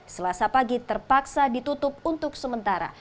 selasa pagi terpaksa ditutup untuk sementara